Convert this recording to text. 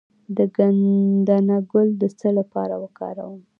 د ګندنه ګل د څه لپاره وکاروم؟